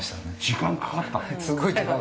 時間かかった？